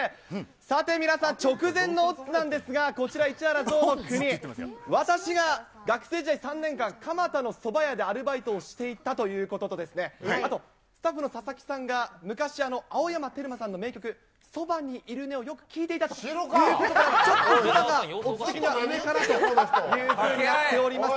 さて皆さん、直前のオッズなんですが、こちら市原ぞうの国、私が学生時代３年間、蒲田のうどん屋でアルバイトをしていたということとですね、あと、スタッフの佐々木さんが、青山テルマさんの名曲、そばにいるねをよく聴いていたということから、ちょっとそばが僕的には上かなというふうになっております。